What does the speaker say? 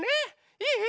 いい？